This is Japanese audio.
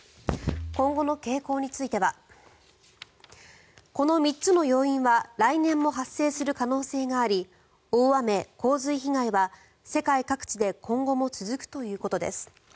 今後の傾向についてはこの３つの要因は来年も発生する可能性があり大雨・洪水被害は世界各地で今後も続くということです。